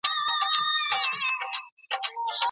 په کورني ژوند کي بايد مشورې او تفاهم زيات سي.